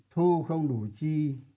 thu không đủ chi